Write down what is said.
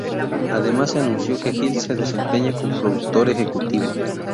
Además se anunció que Hill se desempeña como productor ejecutivo.